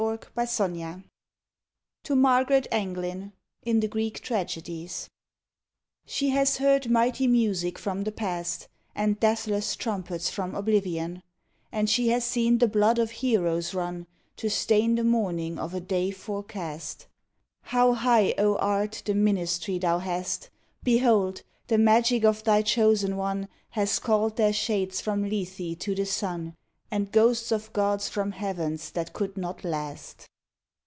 PERSONAL POEMS TO MARGARET ANGLIN IN THE GREEK TRAGEDIES She has heard mighty music from the Past, And deathless trumpets from oblivion, And she has seen the blood of heroes run To stain the morning of a day forecast. How high, O Art, the ministry thou hast! Behold! the magic of thy chosen one Has called their shades from Lethe to the sun, And ghosts of gods from heavens that could not last.